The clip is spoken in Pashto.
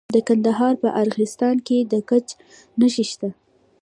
د کندهار په ارغستان کې د ګچ نښې شته.